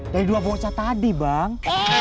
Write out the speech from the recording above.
dari dua bocah tadi bang